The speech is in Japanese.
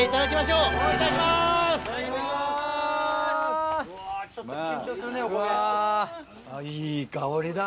うわいい香りだ。